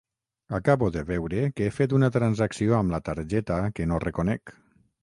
Acabo de veure que he fet una transacció amb la targeta que no reconec.